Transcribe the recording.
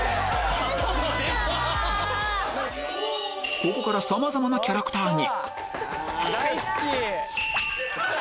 ここからさまざまなキャラクターに